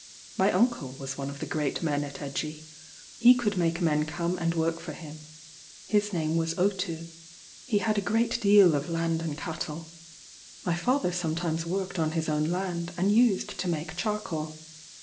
My uncle was one of the great men at Egie: he could make men come and work for him: his name was Otou. He had a great deal of land and cattle. My father sometimes worked on his own land, and used to make charcoal.